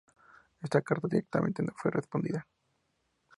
Esa carta directamente no fue respondida.